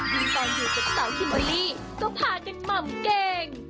ที่ตอนอยู่กับเสาคิมออลลี่ก็พาจากม่ำเกง